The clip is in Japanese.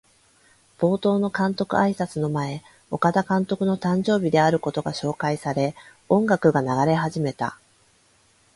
冒頭の監督あいさつの前、岡田監督の誕生日であることが紹介され、音楽が流れ始めた。